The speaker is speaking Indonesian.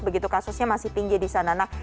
begitu kasusnya masih tinggi di sana